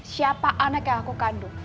siapa anak yang aku kandung